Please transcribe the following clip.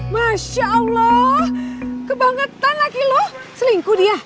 masya allah kebangetan laki lo selingkuh dia